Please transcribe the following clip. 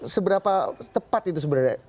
seberapa tepat itu sebenarnya